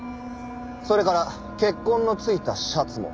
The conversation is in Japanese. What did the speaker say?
それから血痕の付いたシャツも。